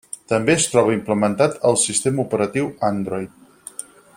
També es troba implementat al sistema operatiu Android.